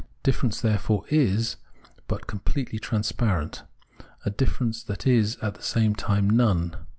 Difference therefore is, but completely transparent, a difference that is at the same time none.